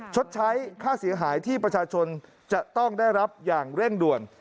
ชดใช้ค่าเสียหายที่ประชาชนจะต้องได้รับอย่างเร่งด่วน